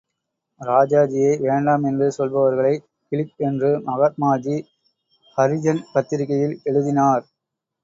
ராஜாஜியை வேண்டாம் என்று சொல்பவர்களை கிளிக் என்று மகாத்மாஜீ ஹரிஜன் பத்திரிகையில் எழுதினார்.